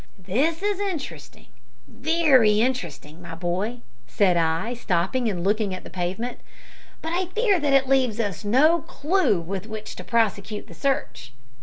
"This is interesting, very interesting, my boy," said I, stopping and looking at the pavement; "but I fear that it leaves us no clew with which to prosecute the search."